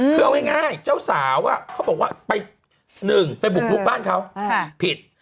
คือเอาง่ายเจ้าสาวเขาบอกว่าไป๑ไปบุกลุกบ้านเขาผิด